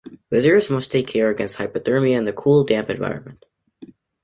Visitors must take care against hypothermia in the cool, damp environment.